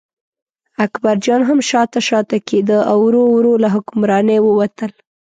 اکبرجان هم شاته شاته کېده او ورو ورو له حکمرانۍ ووتل.